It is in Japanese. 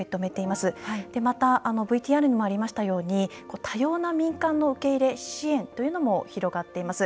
また、ＶＴＲにもありましたように多様な民間の受け入れ支援というのも広がっています。